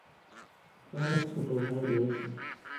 তার এক ছোট ভাই রয়েছে।